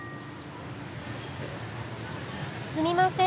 すみません。